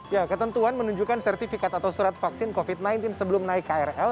ya ketentuan menunjukkan sertifikat atau surat vaksin covid sembilan belas sebelum naik krl